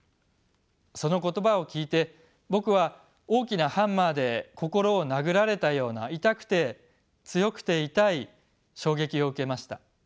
その言葉を聞いて僕は大きなハンマーで心を殴られたような痛くて強くて痛い衝撃を受けました。